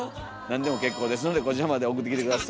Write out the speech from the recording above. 何でも結構ですのでこちらまで送ってきて下さい。